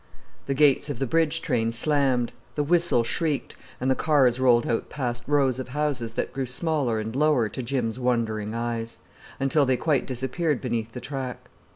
The gates of the bridge train slammed, the whistle shrieked, and the cars rolled out past rows of houses that grew smaller and lower to Jim's wondering eyes, until they quite disappeared beneath the track.